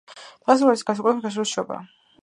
დღესასწაულებში განსაკუთრებულად გამორჩეულია შობა